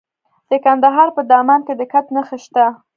د کندهار په دامان کې د ګچ نښې شته.